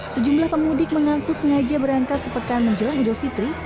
sejumlah pemudik mengaku sengaja berangkat sepekan menjelang idul fitri